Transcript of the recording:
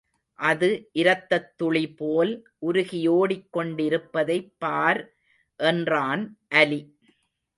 அது இரத்தத் துளிபோல் உருகியோடிக்கொண்டிருப்பதைப் பார் என்றான் அலி.